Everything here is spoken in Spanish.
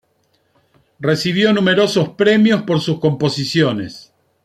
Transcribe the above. Recibió numerosos premios por sus composiciones.